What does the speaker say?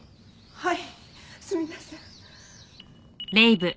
はい。